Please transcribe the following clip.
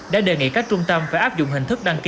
đã đề nghị các trung tâm phải áp dụng hình thức đăng ký